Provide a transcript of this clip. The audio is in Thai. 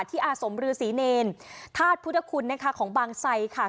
อาสมรือศรีเนรธาตุพุทธคุณนะคะของบางไซค่ะ